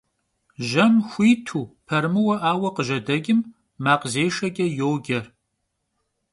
Jem xuitu, perımıue'aue khıjedeç'ım makhzêşşeç'e yoce.